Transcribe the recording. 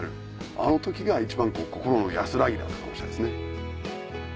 あの時が一番心の安らぎだったかもしれないですね。